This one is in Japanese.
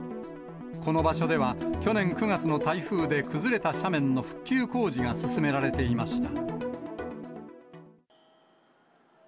この場所では、去年９月の台風で崩れた斜面の復旧工事が進められていました。